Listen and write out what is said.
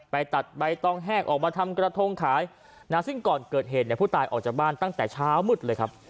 ไปตัดใบตองแห้งออกมาทำกระทงขายนะซึ่งก่อนเกิดเหตุเนี่ยผู้ตายออกจากบ้านตั้งแต่เช้ามืดเลยครับ